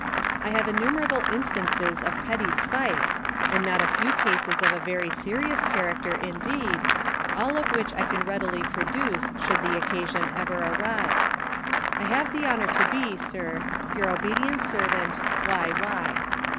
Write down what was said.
I have innumerable instances of petty spite, and not a few cases of a very serious character indeed, all of which I can readily produce should the occasion ever arise. I have the honour to be, Sir, Your obedient Servant, Y.Y.